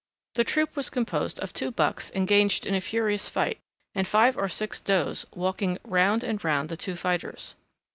The troop was composed of two bucks engaged in a furious fight, and five or six does walking round and round the two fighters.